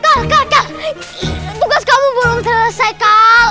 kal kal kal tugas kamu belum selesai kal